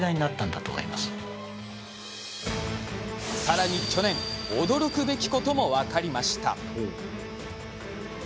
さらに去年驚くべきことも分かりました。